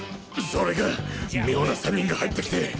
そそれが妙な３人が入ってきて。